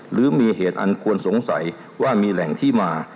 หรือมีเหตุอันควรสงสัยว่ามีแหล่งที่มา